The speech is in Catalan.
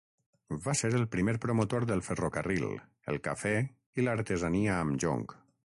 Va ser el primer promotor del ferrocarril, el cafè i l'artesania amb jonc.